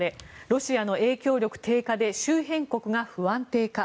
ロシアの影響力低下で周辺国が不安定化。